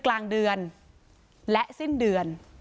กลางเดือนและสิ้นเดือน